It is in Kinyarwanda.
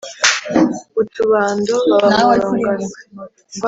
B’utubando, baba mu rungano